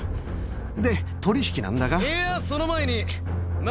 で取引なんだが。